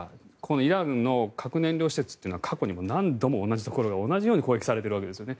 イランの核燃料施設は過去にも同じところが同じように攻撃されているわけですよね。